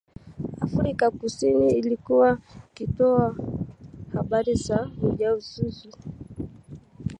Afrika kusini ilikuwa ikitoa habari za ujasusi